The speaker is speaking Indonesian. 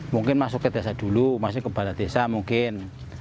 mungkin masuk ke desa dulu masuk ke balai desa mungkin